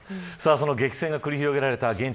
その激闘が繰り広げられた現地